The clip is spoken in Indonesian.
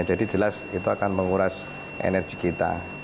jadi jelas itu akan menguras energi kita